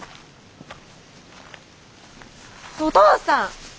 お父さん！